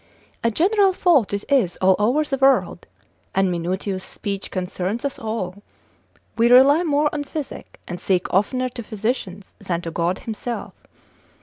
A general fault it is all over the world, and Minutius's speech concerns us all, we rely more on physic, and seek oftener to physicians, than to God himself.